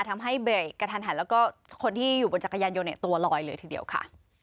ทำให้เบรกกระทันหันแล้วก็คนที่อยู่บนจักรยานยนต์ตัวลอยเลยทีเดียวค่ะ